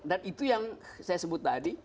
dan itu yang saya sebut tadi